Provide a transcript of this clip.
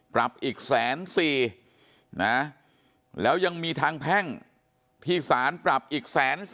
ปรับอีก๑๔๐๐นะแล้วยังมีทางแพ่งที่สารปรับอีก๑๔๐๐